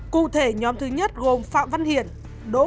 cụ thể nhóm thứ nhất gồm phạm văn hiển đỗ quốc anh